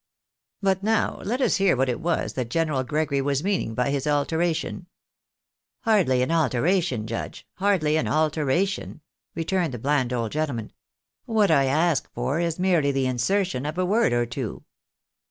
But now let us hear what it was that General Gregory was meaning by his alteration ?"" Hardly an alteration, judge, hardly an alteration," returned the bland old gentleman ;" what I ask for is merely the insertion of a word or two.